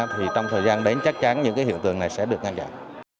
thì trong thời gian đến chắc chắn những hiện tượng này sẽ được ngăn chặn